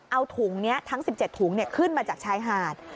เอาถุงนี้ทั้ง๑๗ถุงขึ้นมาจากชายหาด